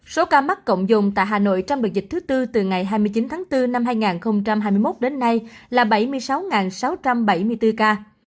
số ca mắc cộng dùng tại hà nội trong đợt dịch thứ tư từ ngày hai mươi chín tháng bốn năm hai nghìn hai mươi một đến nay là bảy mươi sáu sáu trăm bảy mươi bốn ca